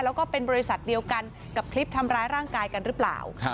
แล้วก็เป็นบริษัทเดียวกันกับคลิปทำร้ายร่างกายกันหรือเปล่า